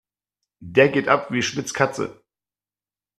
Der geht ab wie Schmitz' Katze.